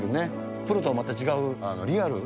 プロとはまた違うリアル。